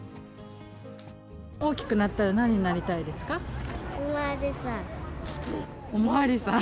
大きくなったら何になりたいお巡りさん。